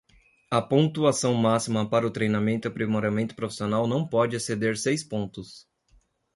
A pontuação máxima para treinamento e aprimoramento profissional não pode exceder seis pontos.